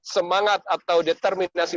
semangat atau determinasi